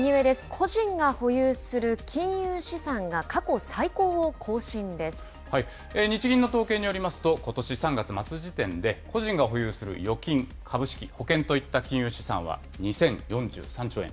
個人が保有する金融資産が過去最日銀の統計によりますと、ことし３月末時点で、個人が保有する預金、株式、保険といった金融資産は２０４３兆円。